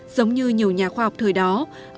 giống như nhiều nhà khoa học thời gian